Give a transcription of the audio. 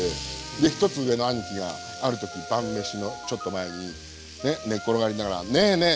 で１つ上の兄貴がある時晩飯のちょっと前に寝っ転がりながら「ねえねえ」。